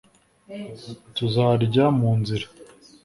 tuzarya munzira